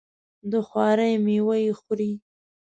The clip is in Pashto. د خواري میوه یې خوري.